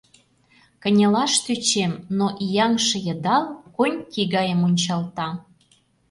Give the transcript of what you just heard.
Кынелаш тӧчем, но ияҥше йыдал коньки гае мунчалта.